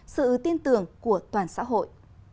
sự tin tưởng của toàn xã hội